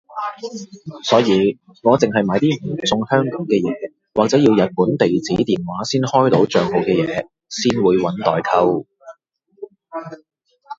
所以我淨係買啲唔送香港嘅嘢或者要日本地址電話先開到帳號嘅嘢先會搵代購